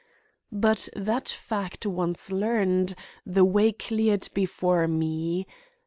But that fact once learned, the way cleared before me.